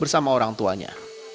bersama orang tuanya